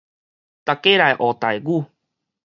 逐家來學台語